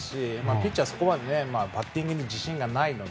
ピッチャーは、そこまでバッティングに自信がないので。